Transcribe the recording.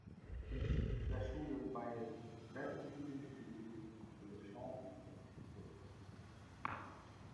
Dêr soed er by it wetterliedingbedriuw ûngefear sân fyftich foar betelje moatte.